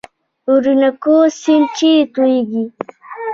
اورینوکو سیند چیرې تویږي؟